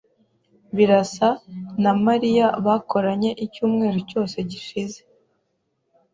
Birasa na Mariya bakoranye icyumweru cyose gishize.